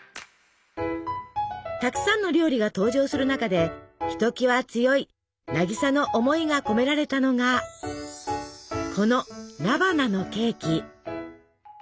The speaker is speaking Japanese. たくさんの料理が登場する中でひときわ強い渚の思いが込められたのがこの菜花のケーキ。